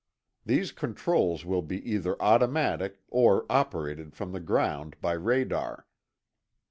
These controls will be either automatic or operated from the ground, by radar.